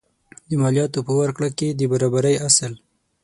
د مالیاتو په ورکړه کې د برابرۍ اصل.